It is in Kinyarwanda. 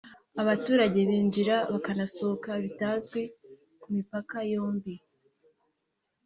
abaturage binjira bakanasohoka bitazwi ku mipaka yombi